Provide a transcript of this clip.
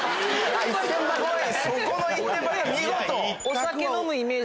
そこの一点張り見事！